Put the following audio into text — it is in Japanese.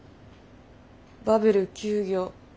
バベル休業。